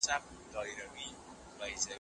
ډاکټر د لوړ ږغ سره پاڼه ړنګوله.